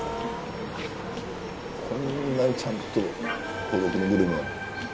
こんなにちゃんと孤独のグルメ。